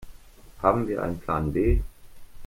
Haben wir einen Plan B?